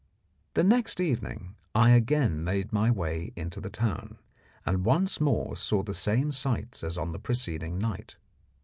The next evening I again made my way into the town, and once more saw the same sights as on the preceding night.